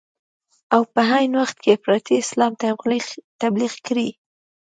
او په عین وخت کې افراطي اسلام تبلیغ کړي.